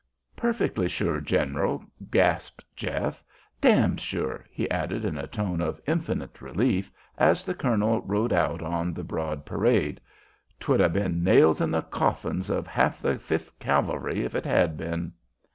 "Perfectly sure, general," gasped Jeff. "D d sure!" he added, in a tone of infinite relief, as the colonel rode out on the broad parade. "'Twould 'a' been nails in the coffins of half the Fifth Cavalry if it had been."